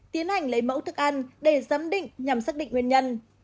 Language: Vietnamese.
tiến hành lấy mẫu thức ăn để giám định nhằm xác định nguyên nhân